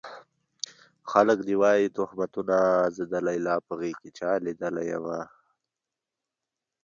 خلک دې وايي تُهمتونه زه د ليلا په غېږ کې چا ليدلی يمه